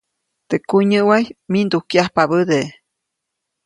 Teʼ kunyäʼway mindujkyajpabäde.